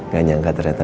gak nyangka ternyata